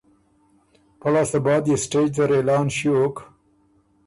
پۀ لاسته بعد يې سټېج زر اعلان ݭیوک